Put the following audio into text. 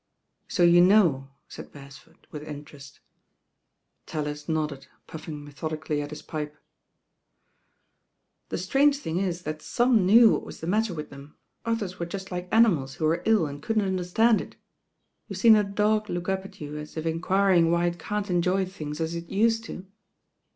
So you know," said Beresford with interest. raUis nodded, puffing methodically at his pipe. i*»c»trange thing is that some knew what was the matter with them, others were just like animals who were lU and couldn't understand it. YouVe seen a dog look up at you as if enquiring why it can t enjoy things as it used to